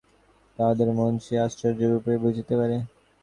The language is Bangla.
যে শ্রেণীর লোকদের সহিত সে মেশে, তাহাদের মন সে আশ্চর্যরূপে বুঝিতে পারে।